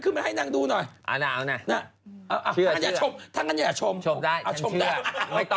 คุณแม่หมาหล่ะสวยว่ะ